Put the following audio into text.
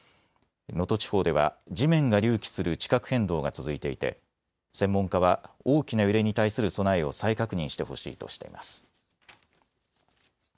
能登地方では地面が隆起する地殻変動が続いていて専門家は大きな揺れに対する備えを再確認してほしいとしています。